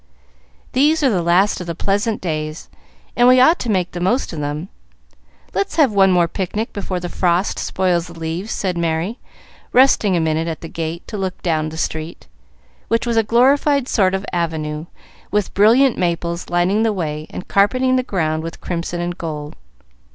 "These are the last of the pleasant days, and we ought to make the most of them. Let's have one more picnic before the frost spoils the leaves," said Merry, resting a minute at the gate to look down the street, which was a glorified sort of avenue, with brilliant maples lining the way and carpeting the ground with crimson and gold.